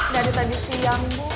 dari tadi siang bu